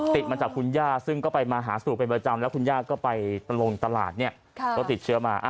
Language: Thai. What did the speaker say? ติดมาจากคุณย่าซึ่งก็ไปมาหาสู่เป็นประจำแล้วคุณย่าก็ไปลงตลาดเนี่ยก็ติดเชื้อมา